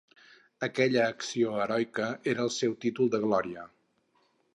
Aquella acció heroica era el seu títol de glòria.